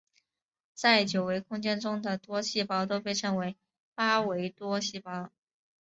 在九维空间中的多胞形都被称为八维多胞形。